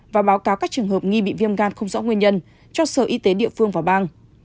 và báo cáo các trường hợp nghi bị viêm gan không rõ nguyên nhân cho sở y tế địa phương và bang